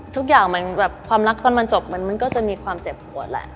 ทุกอย่างมันแบบความรักตอนมันจบมันก็จะมีความเจ็บปวดแหละ